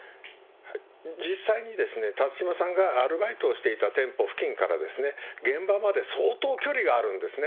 実際にですね、辰島さんがアルバイトをしていた店舗付近から、現場まで相当距離があるんですね。